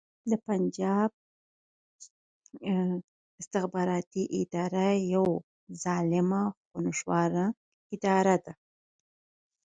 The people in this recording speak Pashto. د پنجاب استخباراتې اداره يوه ظالمه خونښواره اداره ده